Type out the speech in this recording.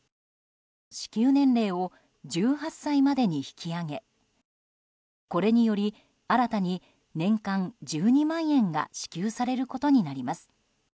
支給年齢を１８歳までに引き上げこれにより新たに年間１２万円が支給されることになります。